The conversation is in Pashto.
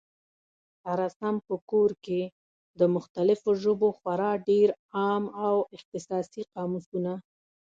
سره سم په کور کي، د مختلفو ژبو خورا ډېر عام او اختصاصي قاموسونه